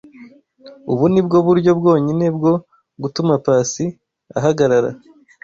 Ubu ni bwo buryo bwonyine bwo gutuma Pacy ahagarara.